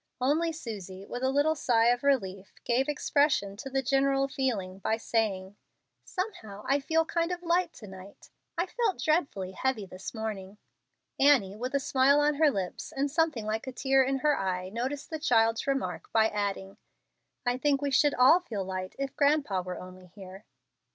Only Susie, with a little sigh of relief, gave expression to the general feeling by saying, "Somehow I feel kind of light to night. I felt dreadfully heavy this morning." Annie, with a smile on her lips and something like a tear in her eye, noticed the child's remark by adding, "I think we should all feel light if grandpa were only here."